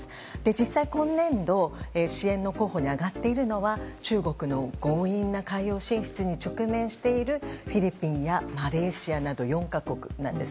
実際、今年度支援の候補に挙がっているのは中国の強引な海洋進出に直面しているフィリピンやマレーシアなど４か国なんです。